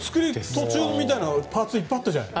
途中みたいなパーツいっぱいあったじゃん。